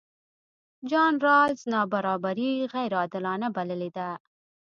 جان رالز نابرابري غیرعادلانه بللې ده.